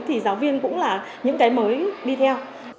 nhưng cũng là những cái mới đi theo